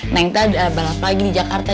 neng tuh ada balap lagi di jakarta